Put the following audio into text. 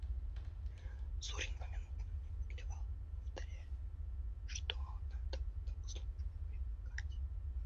Зурин поминутно мне подливал, повторяя, что надобно к службе привыкать.